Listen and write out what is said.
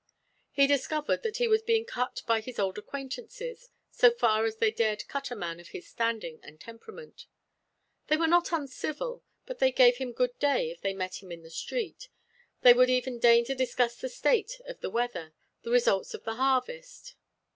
He discovered that he was being cut by his old acquaintances, so far as they dared cut a man of his standing and temperament. They were not uncivil; they gave him good day if they met him in the street; they would even deign to discuss the state of the weather, the results of the harvest.